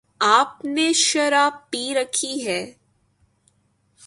آپ نے شراب پی رکھی ہے؟